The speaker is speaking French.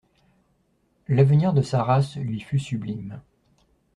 L'avenir de sa race lui fut sublime.